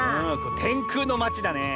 てんくうのまちだねえ。